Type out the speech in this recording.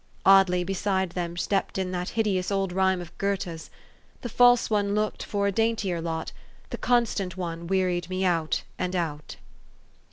Oddly beside them stepped in that hideous old rhyme of Goethe's, " The false one looked for a daintier lot; The constant one wearied me out and out."